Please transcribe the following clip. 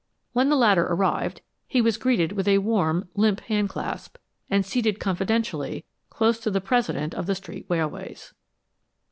When the latter arrived, he was greeted with a warm, limp hand clasp, and seated confidentially close to the president of the Street Railways.